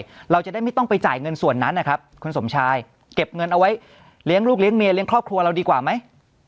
เราจะได้ไม่ต้องไปจ่ายเงินส่วนนั้นนะครับคุณสมชายเก็บเงินเอาไว้เลี้ยงลูกเลี้ยเมียเลี้ยงครอบครัวเราดีกว่าไหม